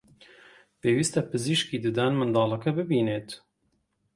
پێویستە پزیشکی ددان منداڵەکە ببینێت